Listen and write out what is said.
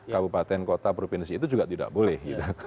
kabupaten kota provinsi itu juga tidak boleh gitu